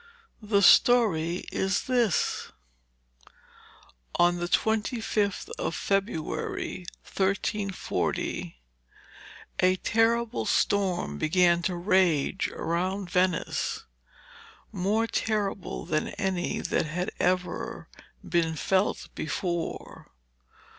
The story is this: On the 25th of February 1340 a terrible storm began to rage around Venice, more terrible than any that had ever been felt before.